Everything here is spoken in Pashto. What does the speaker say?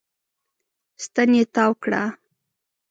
ستن يې تاو کړه.